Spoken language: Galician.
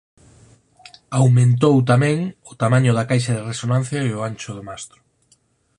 Aumentou tamén o tamaño da caixa de resonancia e o ancho do mastro.